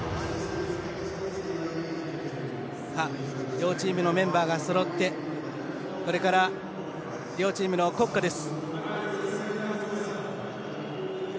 両チームのメンバーがそろってこれから両チームの国歌です。